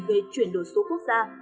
về chuyển đổi số quốc gia